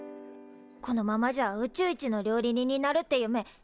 このままじゃあ宇宙一の料理人になるって夢ダメんなっちまう。